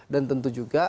dan tentu juga